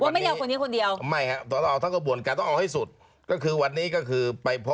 ว่าไม่ได้เอาคนนี้คนเดียว